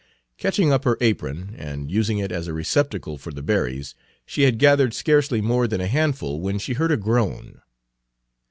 Catching up her apron, and using it as a receptacle for the berries, she had gathered scarcely more than a handful when she heard a groan.